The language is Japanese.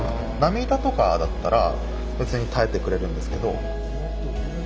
波板とかだったら別に耐えてくれるんですけど。